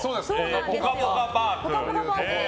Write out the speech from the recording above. ぽかぽかパーク。